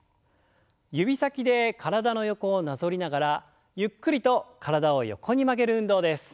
指先で体の横をなぞりながらゆっくりと体を横に曲げる運動です。